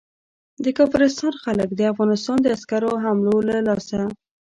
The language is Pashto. د کافرستان خلک د افغانستان د عسکرو حملو له لاسه.